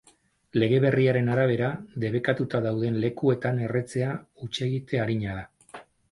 Lege berriaren arabera, debekatuta dauden lekuetan erretzea hutsegite arina da.